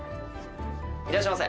いらっしゃいませ。